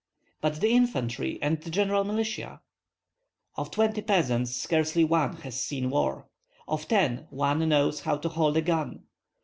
"But the infantry, and the general militia?" "Of twenty peasants scarcely one has seen war; of ten, one knows how to hold a gun.